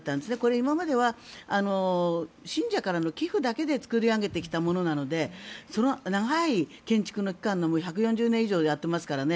今までは信者からの寄付だけで作り上げてきたものなのでその長い建築の期間の１４０年以上やってますからね